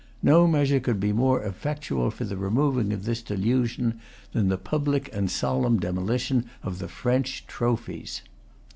No measure could be more effectual for the removing of this delusion than the public and solemn demolition of the French trophies.